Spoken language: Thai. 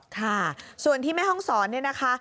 ค่ะส่วนที่แม่ห้องศรเนี่ยนะคะ